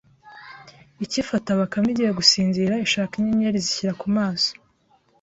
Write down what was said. Ikifata Bakame igiye gusinzira ishaka inyenyeri izishyira ku maso,